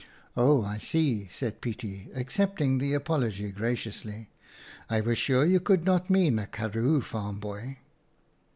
" Oh, I see," said Pietie, accepting the apology graciously. " I was sure you could not mean a karroo farm boy."